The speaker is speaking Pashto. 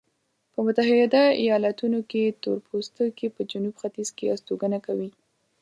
په متحده ایلاتونو کې تورپوستکي په جنوب ختیځ کې استوګنه کوي.